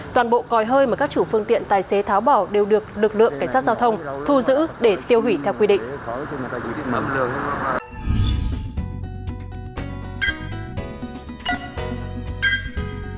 toàn bộ còi hơi mà các chủ phương tiện tài xế tháo bỏ đều được lực lượng cảnh sát giao thông thu giữ để tiêu hủy theo quy định